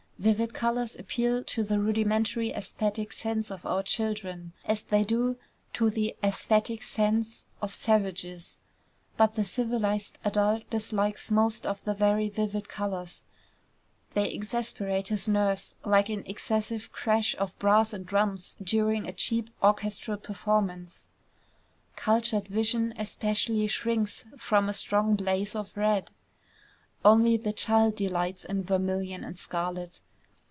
Vivid colors appeal to the rudimentary æsthetic sense of our children, as they do to the æsthetic sense of savages; but the civilized adult dislikes most of the very vivid colors: they exasperate his nerves like an excessive crash of brass and drums during a cheap orchestral performance. Cultured vision especially shrinks from a strong blaze of red. Only the child delights in vermilion and scarlet.